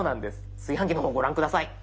炊飯器の方ご覧下さい。